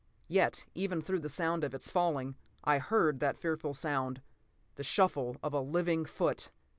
Yet even through the sound of its falling, I heard that fearful sound—the shuffle of a living foot!